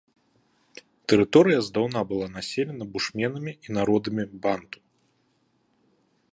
Тэрыторыя здаўна была населена бушменамі і народамі банту.